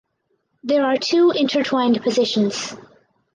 There are two intertwined positions.